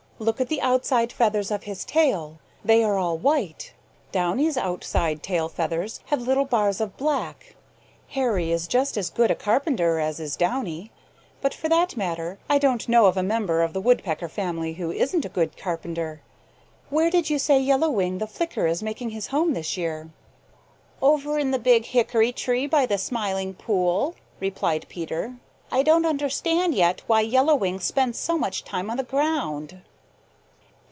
"Look at the outside feathers of his tail; they are all white. Downy's outside tail feathers have little bars of black. Hairy is just as good a carpenter as is Downy, but for that matter I don't know of a member of the Woodpecker family who isn't a good carpenter. Where did you say Yellow Wing the Flicker is making his home this year?" "Over in the Big Hickory tree by the Smiling Pool," replied Peter. "I don't understand yet why Yellow Wing spends so much time on the ground."